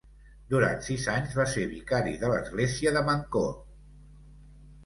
Durant sis anys va ser vicari de l'església de Mancor.